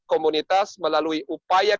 komunitas melalui upaya